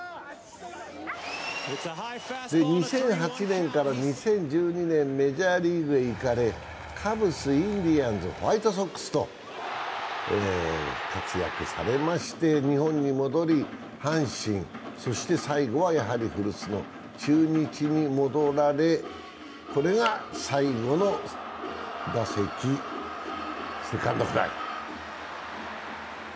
２００８年から２０１２年、メジャーリーグへ行かれ、カブス、インディアンズ、ホワイトソックスと活躍されまして日本に戻り阪神、そして最後はやはり古巣の中日に戻られ、これが最後の打席セカンドフライ。